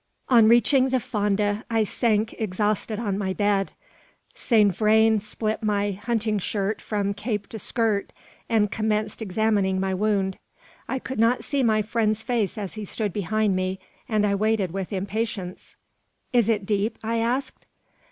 On reaching the Fonda, I sank exhausted on my bed. Saint Vrain split my hunting shirt from cape to skirt, and commenced examining my wound. I could not see my friend's face as he stood behind me, and I waited with impatience. "Is it deep?" I asked.